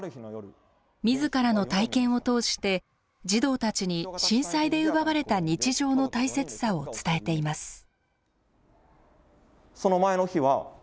自らの体験を通して児童たちに震災で奪われた日常の大切さを伝えています。